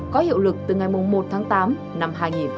có hiệu lực từ ngày một tháng tám năm hai nghìn hai mươi